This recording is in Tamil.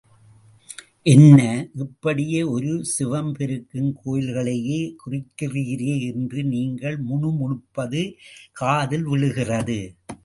என்ன, இப்படியே ஒரே சிவம் பெருக்கும் கோயில்களையே குறிக்கிறீரே என்று நீங்கள் முணு முணுப்பது காதில் விழுகிறது.